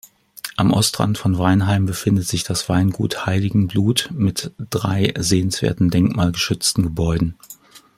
Am Ostrand von Weinheim befindet sich das "Weingut Heiligenblut" mit drei sehenswerten denkmalgeschützten Gebäuden.